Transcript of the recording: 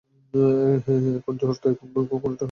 এখন ঝড়, টাইফুন বা ভূমিকম্প কোনোটাই হচ্ছে না।